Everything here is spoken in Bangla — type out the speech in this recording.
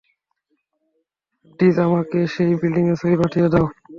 ডিজ, আমাকে সেই বিল্ডিংয়ের ছবি পাঠিয়ে দাও।